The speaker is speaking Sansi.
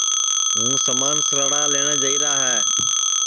ہوں سمان سَرڑا لئٹؔے جائیرا ہے